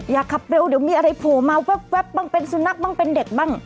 อยากขับเร็วเดี๋ยวมีอะไรโผล่มาแว๊บบ้างเป็นสุนัขบ้างเป็นเด็กบ้าง